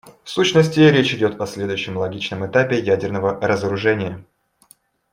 В сущности, речь идет о следующем логичном этапе ядерного разоружения.